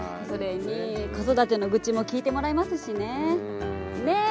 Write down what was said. それに子育ての愚痴も聞いてもらえますしね。ね？